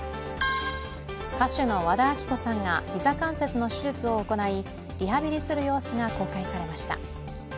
歌手の和田アキ子さんが膝関節の手術を行いリハビリする様子が公開されました。